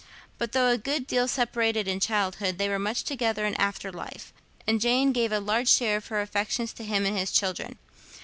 But though a good deal separated in childhood, they were much together in after life, and Jane gave a large share of her affections to him and his children.